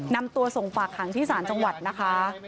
นำตัวส่งฝากหางที่ศาลจังหวัดนะคะ